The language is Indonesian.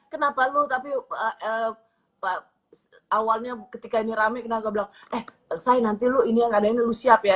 kenapa lu tapi awalnya ketika ini rame kenapa bilang eh saya nanti lu ini yang keadaannya lu siap ya